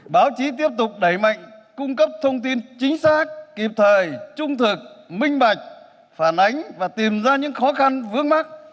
báo chí tiếp tục đẩy mạnh cung cấp thông tin chính xác kịp thời trung thực minh bạch phản ánh và tìm ra những khó khăn vướng mắt